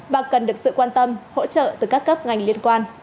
và cần được sự quan tâm hỗ trợ từ các cấp ngành liên quan